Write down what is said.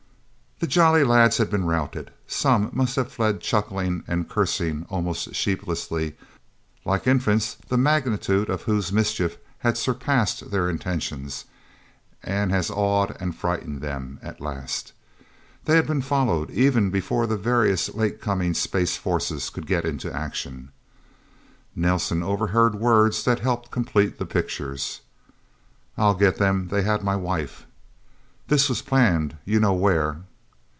The Jolly Lads had been routed. Some must have fled chuckling and cursing almost sheepishly, like infants the magnitude of whose mischief has surpassed their intention, and has awed and frightened them, at last. They had been followed, even before the various late coming space forces could get into action. Nelsen overheard words that helped complete the pictures: "I'll get them... They had my wife..." "This was planned you know where..."